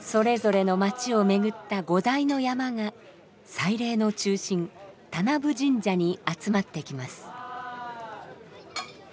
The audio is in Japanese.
それぞれの町を巡った５台のヤマが祭礼の中心田名部神社に集まってきます。